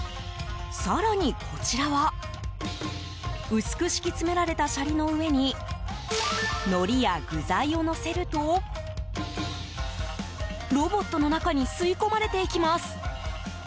更に、こちらは薄く敷き詰められたシャリの上にのりや具材をのせるとロボットの中に吸い込まれていきます。